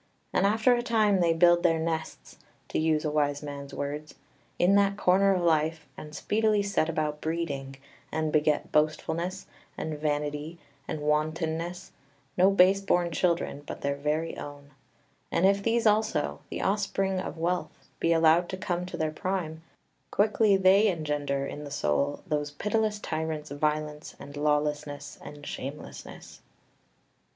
And after a time they build their nests (to use a wise man's words) in that corner of life, and speedily set about breeding, and beget Boastfulness, and Vanity, and Wantonness, no base born children, but their very own. And if these also, the offspring of Wealth, be allowed to come to their prime, quickly they engender in the soul those pitiless tyrants, Violence, and Lawlessness, and Shamelessness. [Footnote 5: Plato, Rep. ix. 573, E.